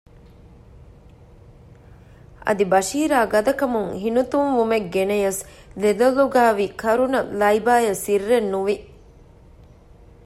އަދި ބަޝީރާ ގަދަކަމުން ހިނިތުންވުމެއް ގެނަޔަސް ދެލޮލުގައިވި ކަރުނަ ލައިބާއަށް ސިއްރެއްނުވި